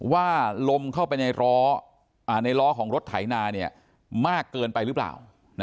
ว่าลมเข้าไปในล้อของรถไถนามากเกินไปหรือเปล่า